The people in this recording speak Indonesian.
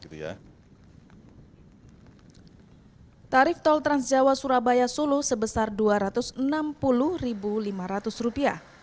tarif tol transjawa surabaya solo sebesar rp dua ratus enam puluh lima ratus